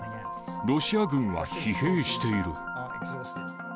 ロシア軍は疲弊している。